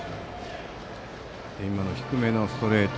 低めのストレート